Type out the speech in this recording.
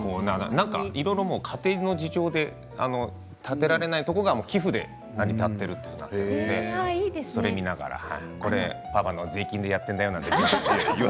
いろいろ家庭の事情で建てられないところが寄付で成り立っているということでそれを見ながらパパの税金でやっているんだよなんて。